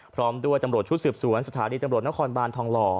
พร้อมด้วยตำรวจชุดสืบสวนสถานีตำรวจนครบานทองหล่อ